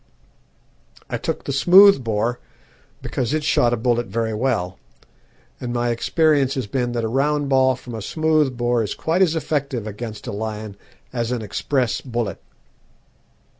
I took the smoothbore because it shot a bullet very well; and my experience has been that a round ball from a smoothbore is quite as effective against a lion as an express bullet.